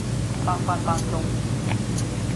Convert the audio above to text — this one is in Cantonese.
百發百中